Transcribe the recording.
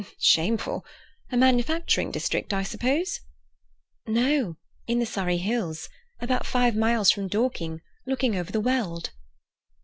"Shameful! A manufacturing district, I suppose?" "No—in the Surrey hills. About five miles from Dorking, looking over the Weald."